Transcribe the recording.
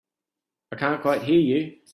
I can't quite hear you.